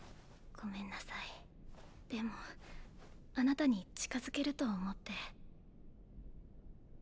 ごめんなさいでもあなたに近づけると思って。